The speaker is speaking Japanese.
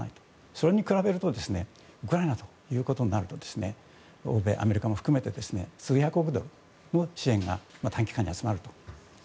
それに比べてウクライナとなるとアメリカ、欧米も含めて数百億ドルの支援が短期間で集まると。